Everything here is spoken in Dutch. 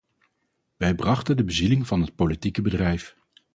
Wij brachten de bezieling van het politieke bedrijf.